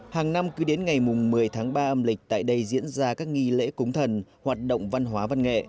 hàng năm cứ đến ngày một mươi tháng ba âm lịch tại đây diễn ra các nghi lễ cúng thần hoạt động văn hóa văn nghệ